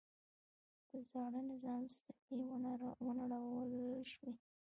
د زاړه نظام ستنې ونړول شوې.